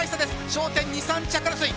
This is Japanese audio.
焦点２３着争い。